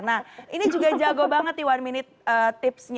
nah ini juga jago banget nih one minute tipsnya